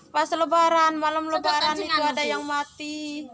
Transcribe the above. pas lebaran malam lebaran ini nggak ada yang mati